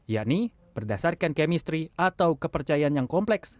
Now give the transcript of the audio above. yakni berdasarkan kemistri atau kepercayaan yang kompleks